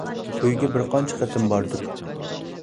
ئۆيىگە بىر قانچە قېتىم باردىم.